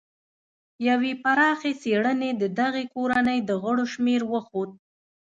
یوې پراخې څېړنې د دغې کورنۍ د غړو شمېر وښود.